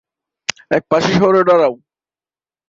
এক পাশে সরে দাঁড়াও।